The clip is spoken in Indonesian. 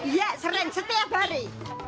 iya sering setiap hari